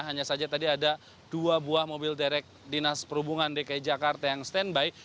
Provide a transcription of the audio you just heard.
hanya saja tadi ada dua buah mobil derek dinas perhubungan dki jakarta yang standby